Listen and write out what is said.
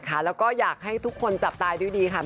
แล้วก็อยากให้ทุกคนจับตายด้วยดีค่ะ